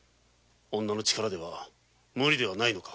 女の力では無理ではないのか。